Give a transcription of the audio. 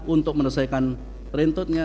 untuk menyelesaikan rentutnya